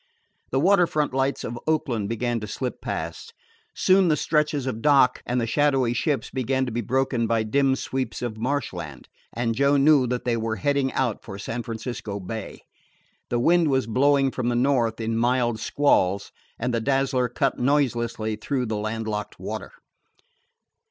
The water front lights of Oakland began to slip past. Soon the stretches of docks and the shadowy ships began to be broken by dim sweeps of marshland, and Joe knew that they were heading out for San Francisco Bay. The wind was blowing from the north in mild squalls, and the Dazzler cut noiselessly through the landlocked water.